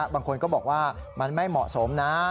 บางคนก็บอกว่ามันไม่เหมาะสมนะ